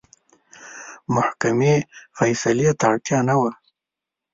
محکمې فیصلې ته اړتیا نه وه.